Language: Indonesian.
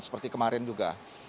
seperti kemarin juga